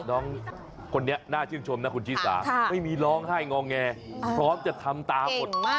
น้องคนนี้น่าชื่นชมนะคุณชิสาไม่มีร้องไห้งอแงพร้อมจะทำตาหมด